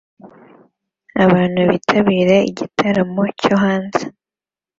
Abantu bitabira igitaramo cyo hanze